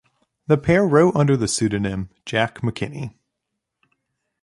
The pair wrote under the pseudonym Jack McKinney.